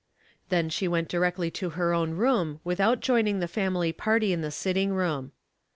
Then she went directly to her own room without joining the family party in the sitting voom.